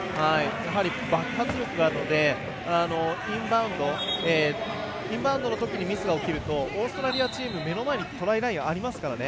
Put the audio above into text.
爆発力があるのでインバウンドのときにミスが起きるとオーストラリアチーム目の前のトライラインがありますからね。